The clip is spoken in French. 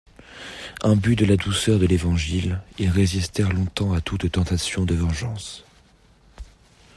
Imbus de la douceur de l'Évangile, ils résistèrent longtemps à toute tentation de vengeance.